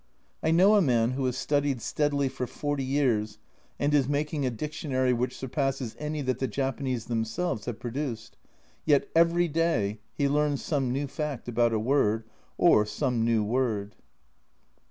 I know a man who has studied steadily for forty years and is making a dictionary which surpasses any that the Japanese themselves have produced, and yet every day he learns some new fact about a word, or some new word.